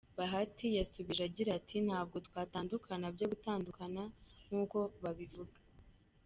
Bahati yasubije agira ati: “Ntabwo twatandukanye byo gutandukana nkuko babivuga.